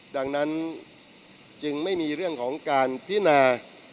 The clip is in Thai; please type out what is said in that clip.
ดังนั้นจึงไม่มีเรื่องของการพินา